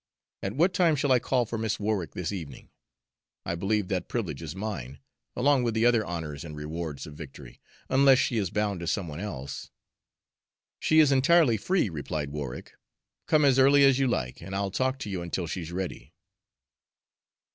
At what time shall I call for Miss Warwick this evening? I believe that privilege is mine, along with the other honors and rewards of victory, unless she is bound to some one else." "She is entirely free," replied Warwick. "Come as early as you like, and I'll talk to you until she's ready."